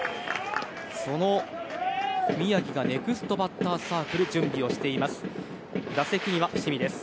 その宮城がネクストバッターズサークルで準備をしています。